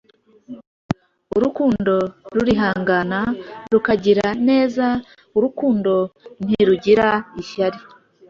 Urukundo rurihangana, rukagira neza; urukundo ntirugira ishyari.